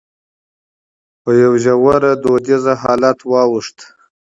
په يوه ژور فرهنګي جريان واوښت،